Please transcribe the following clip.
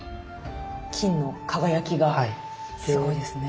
金の輝きがすごいですね。